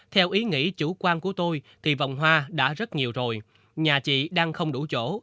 theo ý nghĩ chủ quan của tôi thì vòng hoa đã rất nhiều rồi nhà chị đang không đủ chỗ